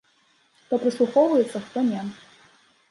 Хто прыслухоўваецца, хто не.